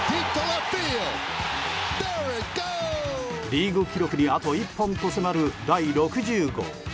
リーグ記録にあと１本と迫る第６０号。